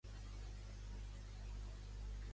Bravo ha assumit que els preocupa sempre el fet de perdre.